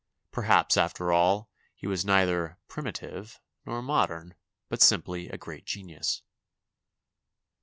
Perhaps, after all, he was neither "primitive" nor modern, but simply a great genius.